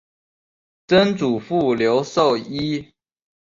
曾祖父刘寿一。